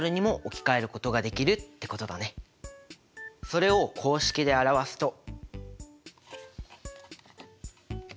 それを公式で表すと。